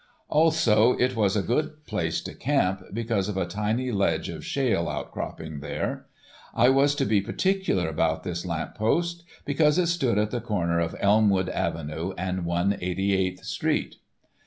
Also, it was a good place to camp, because of a tiny ledge of shale outcropping there. I was to be particular about this lamp post, because it stood at the corner of Elmwood avenue and 188th street.